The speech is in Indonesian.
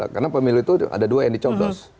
karena pemilu itu ada dua yang dicoblos